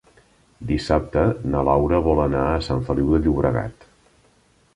Dissabte na Laura vol anar a Sant Feliu de Llobregat.